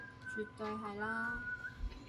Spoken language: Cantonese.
絕對係啦